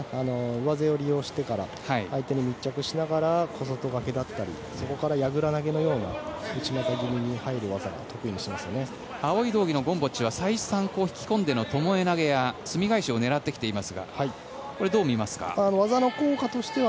上背を利用して相手に密着してから小外掛けだったりそこからやぐら投げのようなものを青い道着のゴムボッチは再三、引き込んでのともえ投げやすみ返しを狙ってきています。